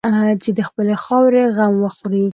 چې د خپلې خاورې غم وخوري.